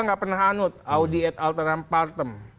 nggak pernah anut audit alteram partem